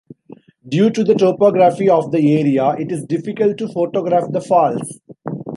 Due to the topography of the area, it is difficult to photograph the falls.